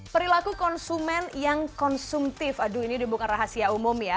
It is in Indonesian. perilaku konsumen yang konsumtif aduh ini bukan rahasia umum ya